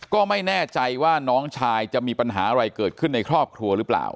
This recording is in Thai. ก็ไม่แน่ใจว่าน้องชายจะมีปัญหาอะไรเกิดขึ้นในครอบครัวหรือเปล่า